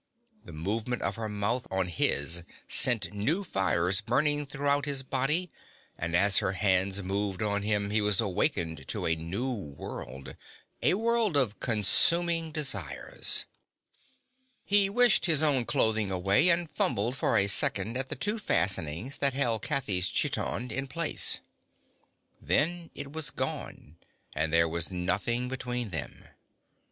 The movement of her mouth on his sent new fires burning throughout his body, and as her hands moved on him he was awakened to a new world, a world of consuming desires. He wished his own clothing away, and fumbled for a second at the two fastenings that held Kathy's chiton in place. Then it was gone and there was nothing between them.